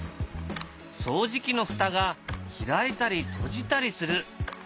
掃除機の蓋が開いたり閉じたりする。